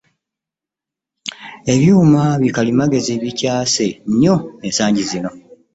Ebyuma bikalimagezi bikyaase nyo essangi zino.